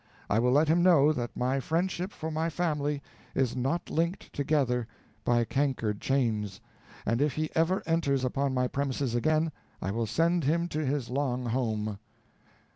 I will let him know that my friendship for my family is not linked together by cankered chains; and if he ever enters upon my premises again, I will send him to his long home."